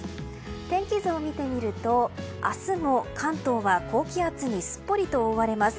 天気図を見てみると明日も関東は高気圧にすっぽりと覆われます。